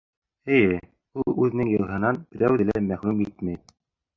Эйе, ул үҙенең йылыһынан берәүҙе лә мәхрүм итмәй.